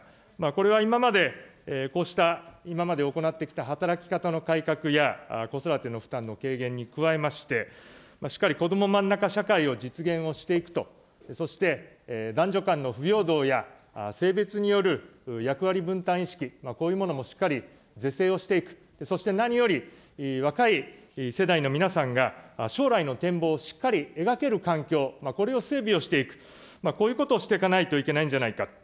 これは今まで、こうした今まで行ってきた働き方の改革や子育ての負担の軽減に加えまして、しっかりこどもまんなか社会を実現をしていくと、そして男女間の不平等や性別による役割分担意識、こういうものもしっかり是正をしていく、そして何より、若い世代の皆さんが、将来の展望をしっかり描ける環境、これを整備をしていく、こういうことをしていかないといけないんじゃないかと。